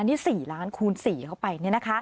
นี่๔ล้านคูณ๔เข้าไป